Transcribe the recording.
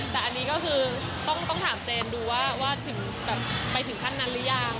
แต่อันนี้ก็คือต้องถามเจนดูว่าถึงแบบไปถึงขั้นนั้นหรือยัง